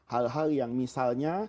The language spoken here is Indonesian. hal hal yang misalnya